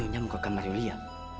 inunya mau ke kamar yulia